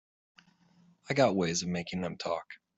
I got ways of making them talk.